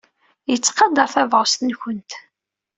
Yettqadar tabɣest-nwent.